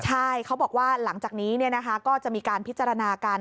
ใช่เขาบอกว่าหลังจากนี้ก็จะมีการพิจารณากัน